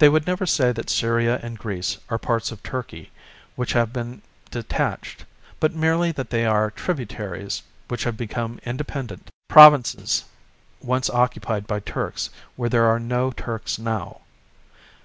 They would never say that Syria and Greece are parts of Turkey which have been detached, but merely that they are tributaries which have become independent, provinces once occupied by Turks where there are no Turks now.